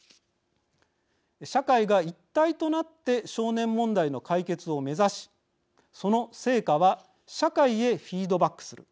社会が一体となって少年問題の解決を目指しその成果は社会へフィードバックする。